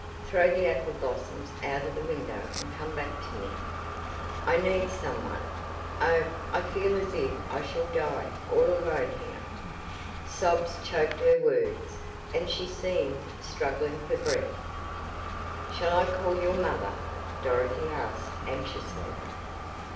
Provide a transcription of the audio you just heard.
Throw the apple blossoms out of the window and come back to me. I need someone! Oh, I feel as if I shall die, all alone here!" Sobs choked her words, and she seemed struggling for breath. "Shall I call your mother?" Dorothy asked anxiously.